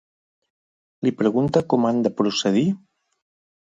Li pregunta com han de procedir?